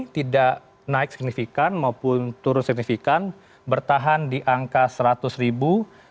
tidak naik signifikan maupun turun signifikan bertahan di angka seratus ribu